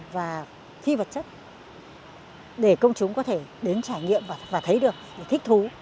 và phi vật chất để công chúng có thể đến trải nghiệm và thấy được thích thú